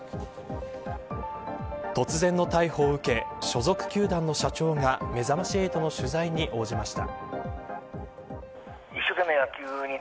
突然の逮捕を受け所属球団の社長がめざまし８の取材に応じました。